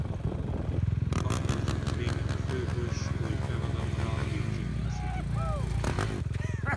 A történet végén a főhős új feladatra Virginia City-be indul.